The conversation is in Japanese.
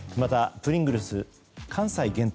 プリングルズ関西限定